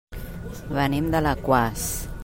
Venim d'Alaquàs.